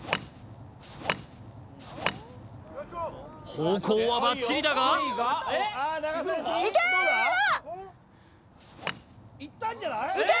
方向はバッチリだがいけー！